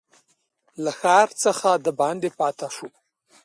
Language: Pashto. له ښار څخه دباندي پاته شو.